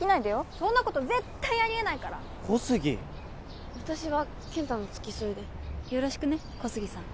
そんなこと絶対ありえないから小杉私は健太の付き添いでよろしくね小杉さん